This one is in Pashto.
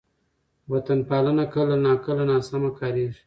وطن پالنه کله ناکله ناسمه کارېږي.